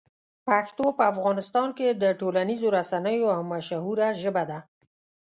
پښتو په افغانستان کې د ټولنیزو رسنیو یوه مشهوره ژبه ده.